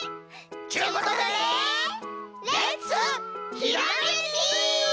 ちゅうことでレッツひらめき！